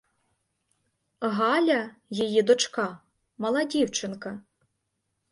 Галя, її дочка, мала дівчинка.